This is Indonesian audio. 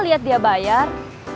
kok liat dia bayar